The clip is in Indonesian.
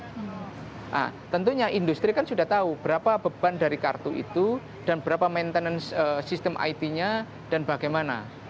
nah tentunya industri kan sudah tahu berapa beban dari kartu itu dan berapa maintenance sistem it nya dan bagaimana